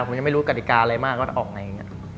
ผมยังไม่รู้กฏกาอะไรมากก็ออกจะไงอย่างเนี่ย